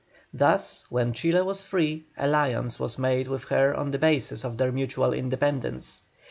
Thus, when Chile was free, alliance was made with her on the basis of their mutual independence.